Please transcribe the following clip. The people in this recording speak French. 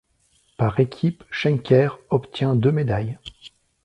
Par équipes, Schenker obtient deux médailles.